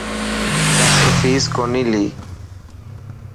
ڊاڪٽر فيس ڪوني.